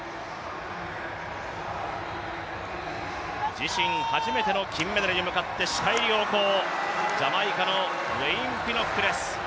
自身初めての金メダルに向かって視界良好、ジャマイカのウェイン・ピノックです。